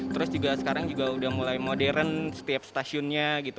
terus juga sekarang juga udah mulai modern setiap stasiunnya gitu